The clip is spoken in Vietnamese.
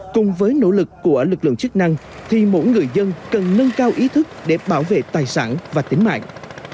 cùng với nỗ lực của lực lượng chức năng thì mỗi người dân cần nâng cao ý thức để bảo vệ tài sản và tính mạng